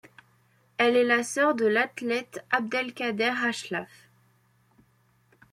Elle est la sœur de l'athlète Abdelkader Hachlaf.